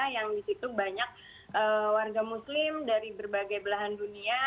yang di situ banyak warga muslim dari berbagai belahan dunia